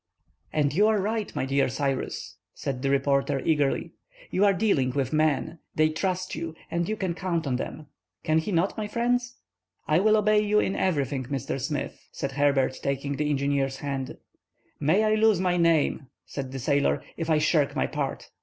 "And you are right, my dear Cyrus," said the reporter, eagerly. "You are dealing with men. They trust you, and you can count on them. Can he not, my friends?" "I will obey you in everyting, Mr. Smith," said Herbert, taking the engineer's hand. "May I lose my name," said the sailor, "if I shirk my part!